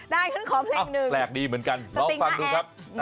ได้แล้วขอเพลงหนึ่ง